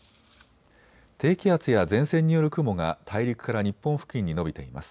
低気圧や前線による雲が大陸から日本付近に延びています。